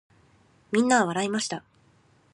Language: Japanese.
皆は笑いました。